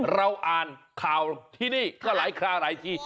เราอ่านข่าวที่นี่ก็หลายคราวหลายที